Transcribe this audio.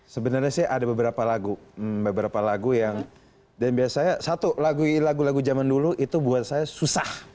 sebenarnya sih ada beberapa lagu beberapa lagu yang dan biasanya satu lagu lagu zaman dulu itu buat saya susah